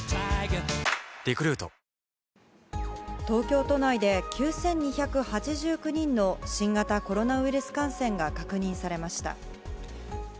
東京都内で９２８９人の新型コロナウイルス感染が確認されました。